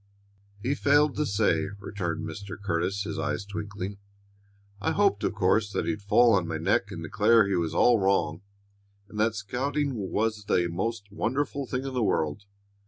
"He failed to say," returned Mr. Curtis, his eyes twinkling. "I hoped, of course, that he'd fall on my neck and declare he was all wrong and that scouting was the most wonderful thing in the world.